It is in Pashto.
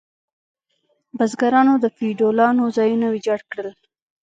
بزګرانو د فیوډالانو ځایونه ویجاړ کړل.